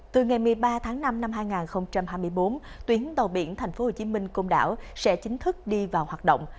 từ ngày một mươi ba tháng năm năm hai nghìn hai mươi bốn tuyến tàu biển tp hcm cùng đảo sẽ chính thức đi vào hoạt động